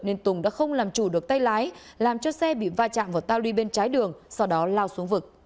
nên tùng đã không làm chủ được tay lái làm cho xe bị va chạm vào tàu đi bên trái đường sau đó lao xuống vực